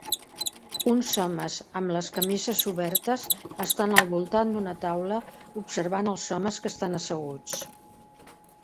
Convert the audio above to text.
Uns homes amb les camises obertes estan al voltant d'una taula observant els homes que estan asseguts.